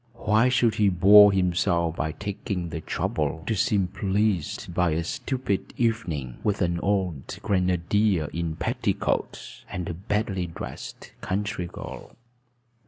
Why should he bore himself by taking the trouble to seem pleased by a stupid evening with an old grenadier in petticoats and a badly dressed country girl?